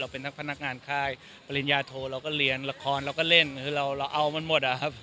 เป็นนักพนักงานค่ายปริญญาโทเราก็เรียนละครเราก็เล่นคือเราเอามันหมดอะครับ